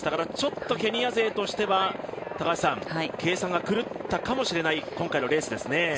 ちょっとケニア勢としては計算が狂ったかもしれない今回のレースですね。